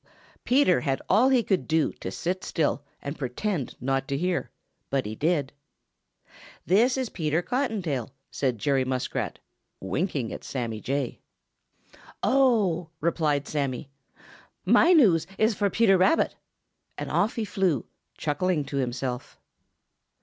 Peter had all he could do to sit still and pretend not to hear, but he did. "This is Peter Cottontail," said Jerry Muskrat, winking at Sammy Jay. "Oh," replied Sammy, "my news is for Peter Rabbit!" and off he flew, chuckling to himself.